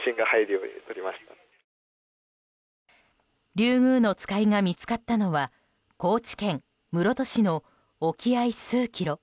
リュウグウノツカイが見つかったのは高知県室戸市の沖合数キロ。